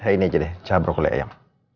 ini aja deh cabrokoli ayam